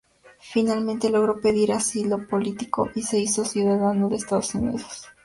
Finalmente, logró pedir asilo político, y se hizo ciudadano de Estados Unidos.